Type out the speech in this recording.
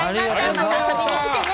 また遊びに来てね。